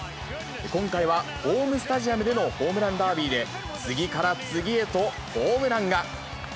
今回はホームスタジアムでのホームランダービーで、次から次へとホームランが。